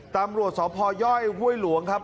ตำรวจสพย่อยห้วยหลวงครับ